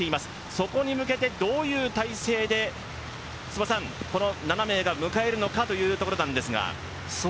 そこに向けてどういう態勢で、この７名が迎えるのかというところですが。